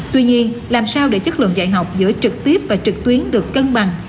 tuy nhiên làm sao để chất lượng dạy học giữa trực tiếp và trực tuyến được cân bằng